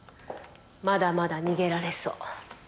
まだまだ逃げられそう。